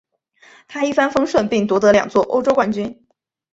他一帆风顺并夺得两座欧洲冠军。